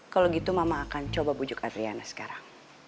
kalau gitu mama akan coba bujuk adriana sekarang